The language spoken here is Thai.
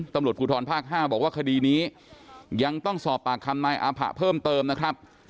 ตำรวจภูทรภาค๕บอกว่าคดีนี้ยังต้องสอบปากคำนายอาผะเพิ่มเติมนะครับ